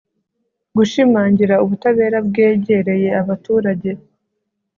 gushimangira ubutabera bwegereye abaturage